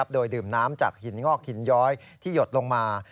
โดยดื่มน้ำจากหินงอกหินย้อยที่หยดลงมา